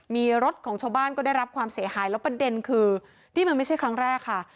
มีรถของชาวบ้านก็ได้รับความเสียหายแล้วประเด็นคือนี่มันไม่ใช่ครั้งแรกค่ะ